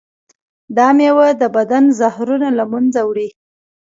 دا میوه د بدن زهرونه له منځه وړي.